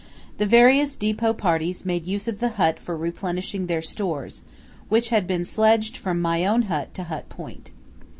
The various depot parties made use of the hut for replenishing their stores, which had been sledged from my own hut to Hut Point.